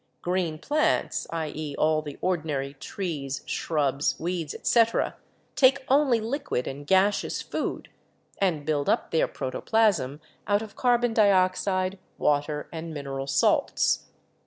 Green plants — i.e., all the ordinary trees, shrubs, weeds, etc. — take only liquid and gaseous food and build up their protoplasm out of car bon dioxide, water and mineral salts.